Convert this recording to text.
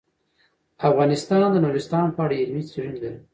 افغانستان د نورستان په اړه علمي څېړنې لري.